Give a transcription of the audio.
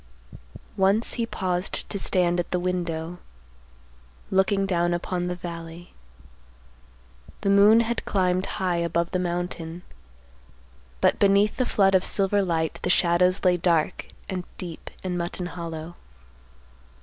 Once he paused to stand at the window, looking down upon the valley. The moon had climbed high above the mountain, but beneath the flood of silver light the shadows lay dark and deep in Mutton Hollow.